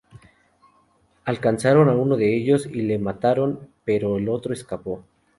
Alcanzaron a uno de ellos y le mataron, pero el otro escapó.